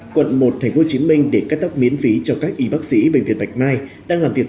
quận một tp hcm để cắt tóc miễn phí cho các y bác sĩ bệnh viện bạch mai đang làm việc